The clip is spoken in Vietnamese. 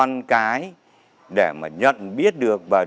nghệ nhân tự hào